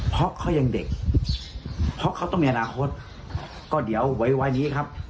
เพราะเขายังเด็กเพราะเขาต้องมีอนาคตก็เดี๋ยวไวนี้ครับ